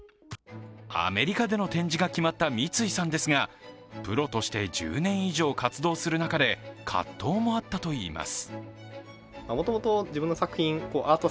アメリカでの展示が決まった三井さんですがプロとして１０年以上活動する中で葛藤もあったといいます。